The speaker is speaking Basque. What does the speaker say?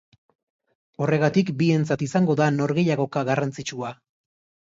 Horregatik, bientzat izango da norgehiagoka garrantzitsua.